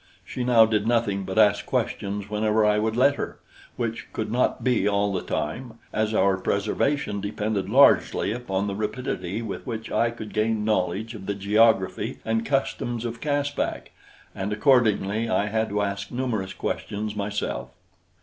She now did nothing but ask questions whenever I would let her, which could not be all the time, as our preservation depended largely upon the rapidity with which I could gain knowledge of the geography and customs of Caspak, and accordingly I had to ask numerous questions myself.